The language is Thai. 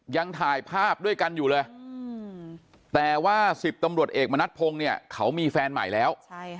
ยังถ่ายภาพด้วยกันอยู่เลยแต่ว่า๑๐ตำรวจเอกมณัฐพงศ์เนี่ยเขามีแฟนใหม่แล้ว